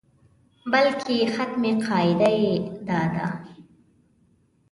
بلکې حتمي قاعده یې دا ده.